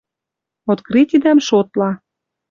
открытидӓм шотла.